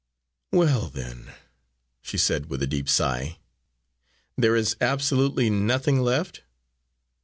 "Well, then," she said with a deep sigh, "there is absolutely nothing left?"